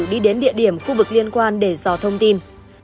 đi đến địa điểm khu vực liên quan để dò thông tin